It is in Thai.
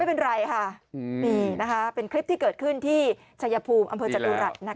ไม่เป็นไรค่ะนี่นะคะเป็นคลิปที่เกิดขึ้นที่ชายภูมิอำเภอจตุรัส